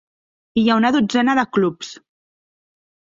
Hi ha una dotzena de clubs.